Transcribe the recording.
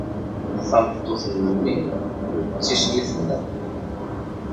Tameṭṭut n memmi-m d tislit-nnem.